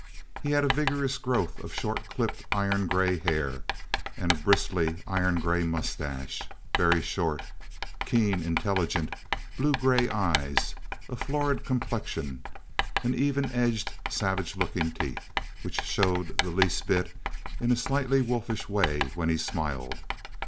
He had a vigorous growth of short clipped, iron gray hair, and a bristly iron gray mustache, very short, keen, intelligent blue gray eyes; a florid complexion; and even edged, savage looking teeth, which showed the least bit in a slightly wolfish way when he smiled.